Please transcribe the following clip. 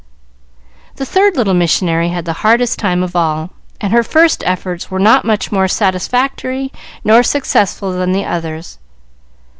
The third little missionary had the hardest time of all, and her first efforts were not much more satisfactory nor successful than the others.